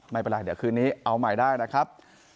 ไม่เป็นไรเดี๋ยวคืนนี้เอาใหม่ได้นะครับ